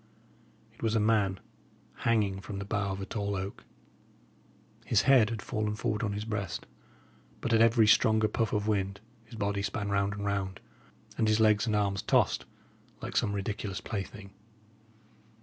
It was a man hanging from the bough of a tall oak. His head had fallen forward on his breast; but at every stronger puff of wind his body span round and round, and his legs and arms tossed, like some ridiculous plaything.